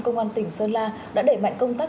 công an tỉnh sơn la đã đẩy mạnh công tác